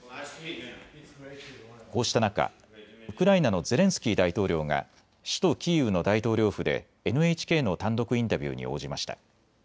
こうした中、ウクライナのゼレンスキー大統領が首都キーウの大統領府でＮＨＫの単独インタビューに応じました。